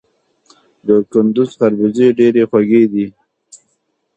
د کندز خربوزې ډیرې خوږې دي